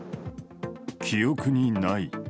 記憶にない。